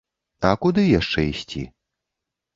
А куды яшчэ ісці?